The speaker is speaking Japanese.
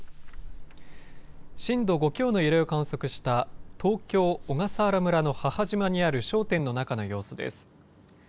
震度５強の揺れを観測した東京小笠原村の母島にある商店の中の様子です。